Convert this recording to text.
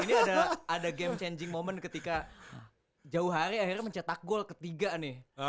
ini ada game changing moment ketika jauh hari akhirnya mencetak gol ketiga nih